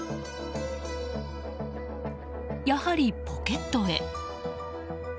やはり、ポケットへ。